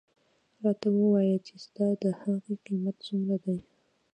راته ووایه چې ستا د هغې قیمت څومره دی.